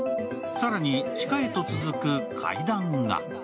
更に地下へと続く階段が。